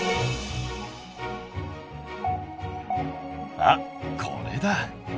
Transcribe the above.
あっこれだ！